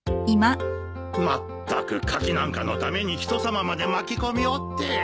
まったく柿なんかのために人さままで巻き込みおって。